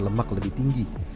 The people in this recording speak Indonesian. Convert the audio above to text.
lemak lebih tinggi